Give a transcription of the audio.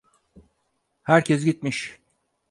Herkes gitmiş.